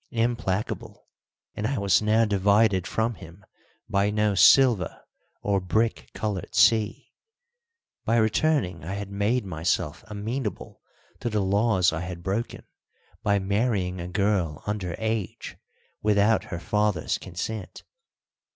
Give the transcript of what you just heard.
Implacable, and I was now divided from him by no silver or brick coloured sea! By returning I had made myself amenable to the laws I had broken by marrying a girl under age without her father's consent.